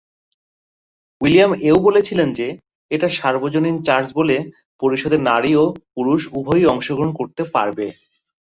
William এও বলেছিলেন যে, এটা সার্বজনীন চার্চ বলে পরিষদে নারী ও পুরুষ উভয়ই অংশগ্রহণ করতে পারবে।